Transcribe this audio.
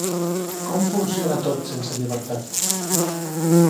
Com funciona tot sense llibertat.